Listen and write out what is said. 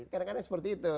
kadang kadang seperti itu